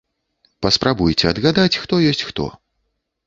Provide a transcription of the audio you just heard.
Паспрабуйце адгадаць, хто ёсць хто.